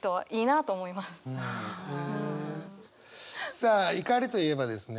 さあ怒りといえばですね